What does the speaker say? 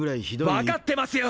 分かってますよ！